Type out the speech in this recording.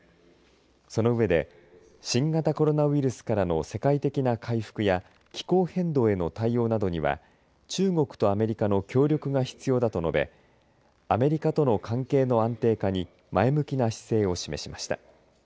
その上で新型コロナウイルスからの世界的な回復や気候変動への対応などには中国とアメリカの協力が必要だと述べアメリカとの関係の安定化に前向きな姿勢を示しました。